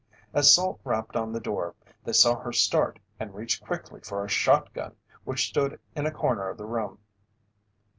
As Salt rapped on the door, they saw her start and reach quickly for a shotgun which stood in a corner of the room.